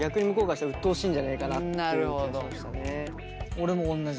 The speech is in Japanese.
俺もおんなじ。